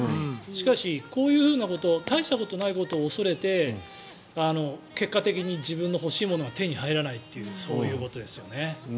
しかし、こういうこと大したことないことを恐れて結果的に自分の欲しいものが手に入らないというそういうことですよね。